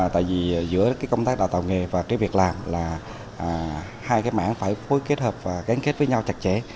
tại vì giữa cái công tác đào tạo nghề và cái việc làm là hai cái mảng phải phối kết hợp và gánh kết với nhau chặt chẽ